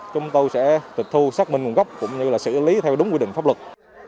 chúng tôi sẽ tịch thu xác minh nguồn gốc cũng như là xử lý theo đúng quy định pháp luật